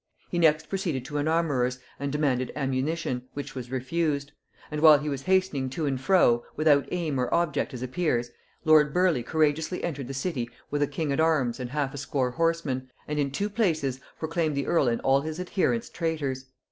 He next proceeded to an armourer's and demanded ammunition, which was refused; and while he was hastening to and fro, without aim or object as appears, lord Burleigh courageously entered the city with a king at arms and half a score horse men, and in two places proclaimed the earl and all his adherents traitors.